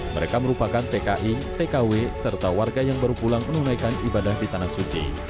mereka merupakan tki tkw serta warga yang baru pulang menunaikan ibadah di tanah suci